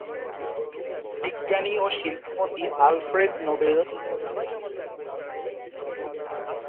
বিজ্ঞানী ও শিল্পপতি আলফ্রেড নোবেল এই পুরস্কারের গোড়াপত্তন করেন।